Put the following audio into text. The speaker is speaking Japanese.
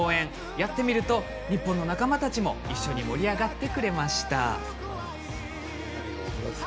やってみると、日本の仲間たちも一緒に盛り上がってくれました。